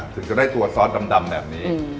ถึงจะได้ตัวซอสดำแบบนี้